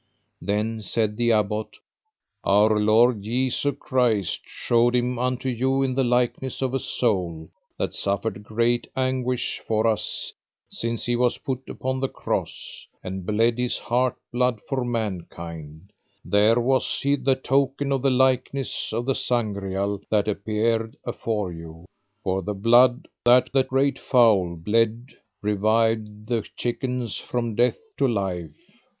Then [said the Abbot]: Our Lord Jesu Christ showed him unto you in the likeness of a soul that suffered great anguish for us, since He was put upon the cross, and bled His heart blood for mankind: there was the token and the likeness of the Sangreal that appeared afore you, for the blood that the great fowl bled revived the chickens from death to life.